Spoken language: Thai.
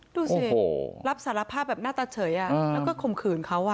ดูสิรับสารภาพแบบหน้าตาเฉยแล้วก็ข่มขืนเขา